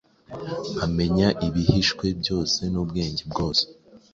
nkamenya ibihishwe byose n’ubwenge bwose,